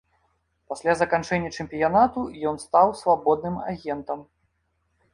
Пасля заканчэння чэмпіянату ён стаў свабодным агентам.